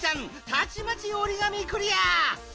たちまちおりがみクリア！